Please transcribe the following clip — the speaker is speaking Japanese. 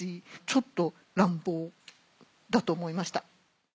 ちょっと乱暴だと思いました。